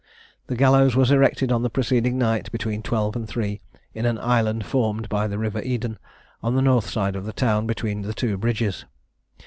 The gallows was erected on the preceding night, between twelve and three, in an island formed by the river Eden, on the north side of the town, between the two bridges.